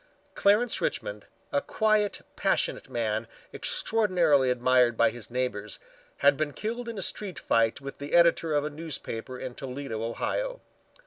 Clarence Richmond, a quiet passionate man extraordinarily admired by his neighbors, had been killed in a street fight with the editor of a newspaper in Toledo, Ohio.